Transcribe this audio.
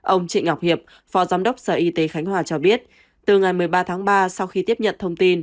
ông trịnh ngọc hiệp phó giám đốc sở y tế khánh hòa cho biết từ ngày một mươi ba tháng ba sau khi tiếp nhận thông tin